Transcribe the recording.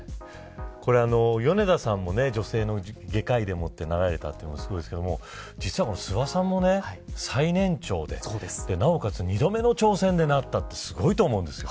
米田さんも女性の外科医でもってなられたというのもすごいですけど実は諏訪さんも最年長でなおかつ２度目の挑戦でなったというのはすごいと思うんですよ。